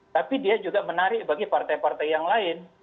tapi dia juga menarik bagi partai partai yang lain